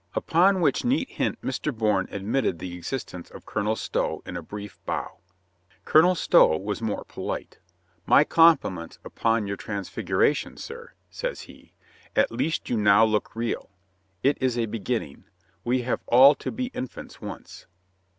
Upon which neat hint Mr. Bourne admitted the existence of Colonel Stow in a brief bow. Colonel Stow was more polite. "My compliments upon your transfiguration, sir," says he. "At least you now look real. It is a beginning. We have all to be in fants once."